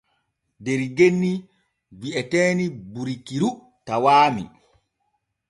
Der genni wi'eteeni Borikiru tawaami.